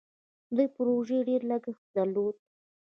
دې پروژې ډیر لګښت درلود.